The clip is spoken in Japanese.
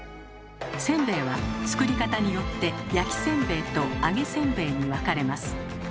せんべいは作り方によって焼きせんべいと揚げせんべいに分かれます。